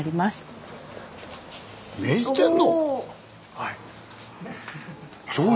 はい。